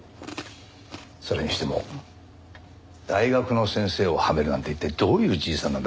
それにしても大学の先生をはめるなんて一体どういうじいさんなんだ？